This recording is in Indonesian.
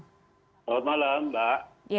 selamat malam mbak